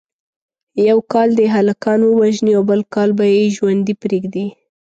یو کال دې هلکان ووژني او بل کال به یې ژوندي پریږدي.